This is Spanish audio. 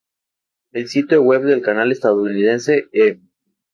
El sitio web del canal estadounidense "E!